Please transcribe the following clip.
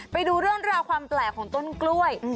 ไปดูเรื่องราวความแปลกของต้นกล้วย